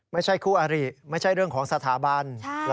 ไม่ใช่คู่อาริไม่ใช่เรื่องของสถาบัน